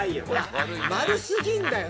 丸すぎんだよ